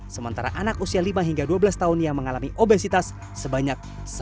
sementara anak usia lima hingga dua belas tahun yang mengalami obesitas sebanyak